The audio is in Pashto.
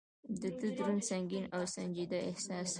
د ده دروند، سنګین او سنجیده احساس.